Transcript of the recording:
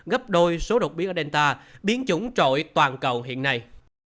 gấp đôi số độc biến ở delta biến chủng trội toàn cầu hiện nay